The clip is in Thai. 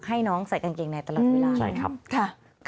ให้น้องใส่กางเกงในตลอดเวลาใช่ครับ